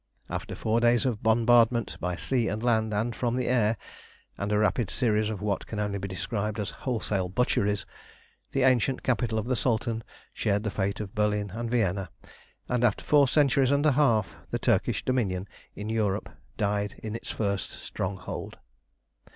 After four days of bombardment by sea and land, and from the air, and a rapid series of what can only be described as wholesale butcheries, the ancient capital of the Sultan shared the fate of Berlin and Vienna, and after four centuries and a half the Turkish dominion in Europe died in its first stronghold.